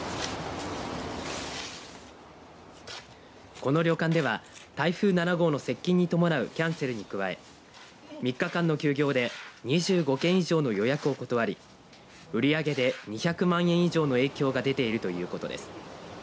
この旅館では台風７号の接近に伴うキャンセルに加え３日間の休業で２５件以上の予約を断り売上で２００万円以上の影響が出ているということです。